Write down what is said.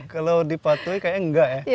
kalau dipatuhi kayaknya enggak ya